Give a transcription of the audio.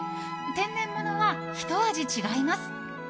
天然物はひと味違います。